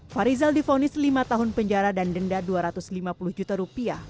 farizal difonis lima tahun penjara dan denda dua ratus lima puluh juta rupiah